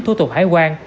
thu tục hải quan